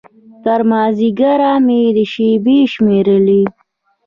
تر مازديګره مې شېبې شمېرلې.